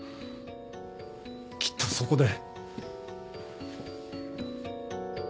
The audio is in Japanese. きっとそこで。